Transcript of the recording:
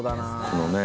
このね。